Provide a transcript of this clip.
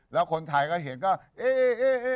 แล้วคนไทยก็เห็นก็เอ๊ะ